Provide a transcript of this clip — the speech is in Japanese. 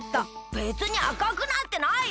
べつにあかくなってないよ！